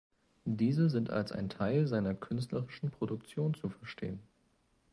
Diese sind als ein Teil seiner künstlerischen Produktion zu verstehen.